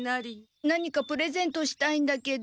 何かプレゼントしたいんだけど。